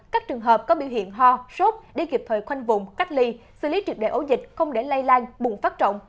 các trường hợp có biểu hiện ho sốt để kịp thời khoanh vụn cách ly xử lý trực đẩy ổ dịch không để lây lan bùng phát trọng